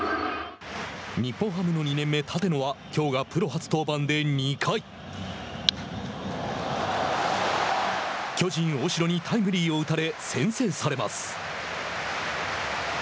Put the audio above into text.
日本ハムの２年目、立野はきょうがプロ初登板で２回巨人大城にタイムリーを打たれ先制されます。